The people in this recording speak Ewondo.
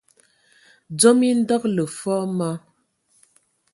Dzom e andǝgələ fɔɔ ma,